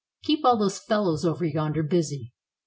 Keep all those fellows over yonder busy."